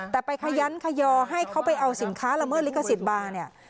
แต่ไปขยันขยอให้เขาไปเอาสินค้าละเมิดลิขสิทธิ์มาเนี่ย